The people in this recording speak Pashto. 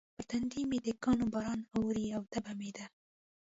پر تندي مې د کاڼو باران اوري او تبه مې ده.